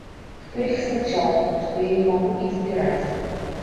Хто іх саджаў, што я не магу іх збіраць!?